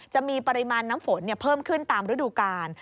จะมีปริมาณน้ำฝนเพิ่มขึ้นตามฤดูกาล